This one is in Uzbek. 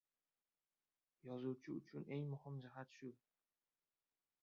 Yozuvchi uchun eng muhim jihat – shu.